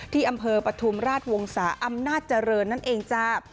ที่อำเภอปฐุมราชวงศาอำนาจเจริญนั่นเองจ้า